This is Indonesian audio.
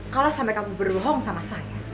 kalau sampai kamu berbohong sama saya